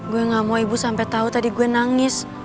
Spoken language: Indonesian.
gue gak mau ibu sampe tau tadi gue nangis